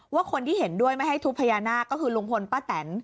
คนที่เห็นด้วยไม่ให้ทุบพญานาคก็คือลุงพลป้าแตน